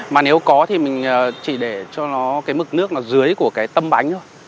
mà nếu có thì mình chỉ để cho nó cái mực nước nó dưới của cái tâm bánh thôi